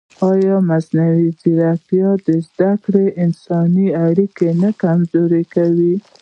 ایا مصنوعي ځیرکتیا د زده کړې انساني اړیکه نه کمزورې کوي؟